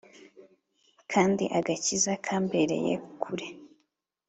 kandi agakiza kambereye kure’